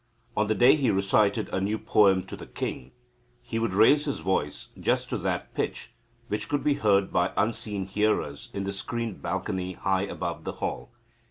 On the day he recited a new poem to the king he would raise his voice just to that pitch which could be heard by unseen hearers in the screened balcony high above the hall.